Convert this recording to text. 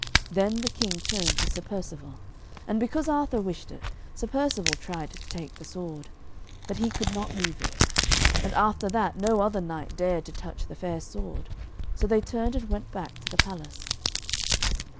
Then the King turned to Sir Percivale. And because Arthur wished it, Sir Percivale tried to take the sword; but he could not move it. And after that no other knight dared to touch the fair sword; so they turned and went back to the palace.